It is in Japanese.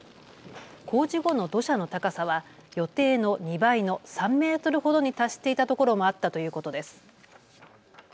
工事後の土砂の高さは予定の２倍の３メートルほどに達していたところもあったということです。